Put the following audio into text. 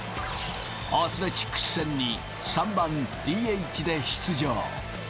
アスレチックス戦に３番ＤＨで出場。